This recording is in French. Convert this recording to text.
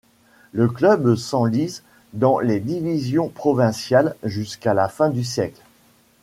Le club s'enlise dans les divisions provinciales jusqu'à la fin du siècle.